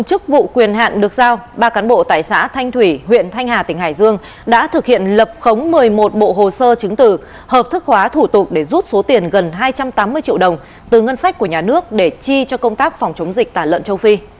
công an tỉnh bình phước đã điều động một bộ hồ sơ chứng từ hợp thức hóa thủ tục để rút số tiền gần hai trăm tám mươi triệu đồng từ ngân sách của nhà nước để chi cho công tác phòng chống dịch tả lợn châu phi